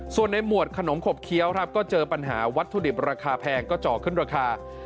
ส่วนในหมวดขนมขบเคี้ยวครับก็เจอปัญหาวัตถุดิบราคาแพงก็เจาะขึ้นราคา